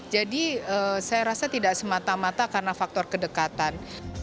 jadi saya rasa tidak semata mata karena faktor kedekatan